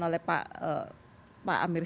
oleh pak amir